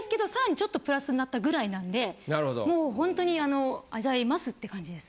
ちょっとプラスになったぐらいなんでもうほんとにあのあざいますって感じです。